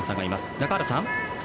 中原さん。